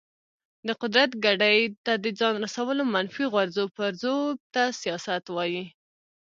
د قدرت ګدۍ ته د ځان رسولو منفي غورځو پرځو ته سیاست وایي.